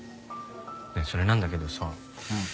ねえそれなんだけどさ